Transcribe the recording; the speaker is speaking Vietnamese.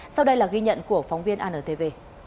sau đây là ghi nhận của phóng viên antv